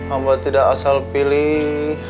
amba tidak asal pilih